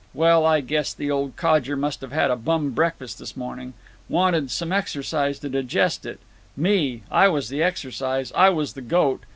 Well, I guess the old codger must have had a bum breakfast this morning. Wanted some exercise to digest it. Me, I was the exercise—I was the goat.